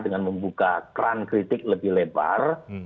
dengan membuka kran kritik lebih lebar